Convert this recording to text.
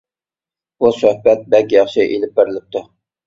بۇ سۆھبەت بەك ياخشى ئېلىپ بېرىلىپتۇ.